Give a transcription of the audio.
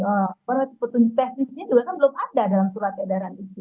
oh petunjuk teknisnya juga kan belum ada dalam surat edaran itu